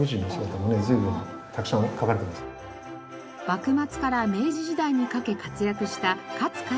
幕末から明治時代にかけ活躍した勝海舟。